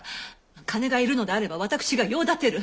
金が要るのであれば私が用立てる。